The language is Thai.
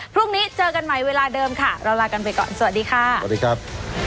พรุ่งนี้เจอกันใหม่เวลาเดิมค่ะเราลากันไปก่อนสวัสดีค่ะสวัสดีครับ